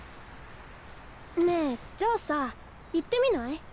ねえじゃあさ行ってみない？